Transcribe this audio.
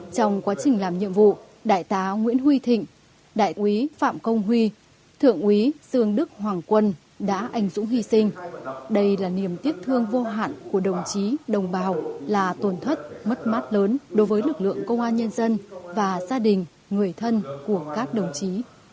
trong quá trình làm nhiệm vụ đại tá nguyễn huy thịnh đại quý phạm công huy thượng úy dương đức hoàng quân đã ảnh dũng hy sinh đây là niềm tiếc thương vô hạn của đồng chí đồng bào là tổn thất mất mát lớn đối với lực lượng công an nhân dân và gia đình người thân của các đồng chí